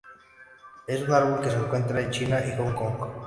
Es un árbol que se encuentra en China y Hong Kong.